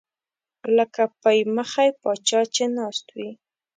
لکه پۍ مخی پاچا چې ناست وي